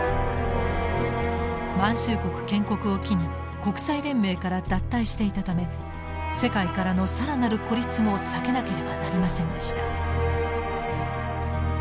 満州国建国を機に国際連盟から脱退していたため世界からの更なる孤立も避けなければなりませんでした。